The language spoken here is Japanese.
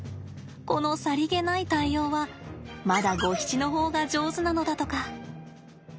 このさりげない対応はまだゴヒチの方が上手なのだとか。